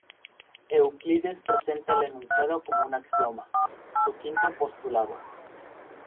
Euclides presenta el enunciado como un axioma: su quinto postulado.